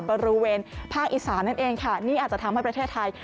บริเวณภาคอีสานนั่นเองค่ะนี่อาจจะทำให้ประเทศไทย